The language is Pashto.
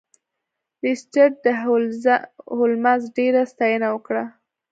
لیسټرډ د هولمز ډیره ستاینه وکړه.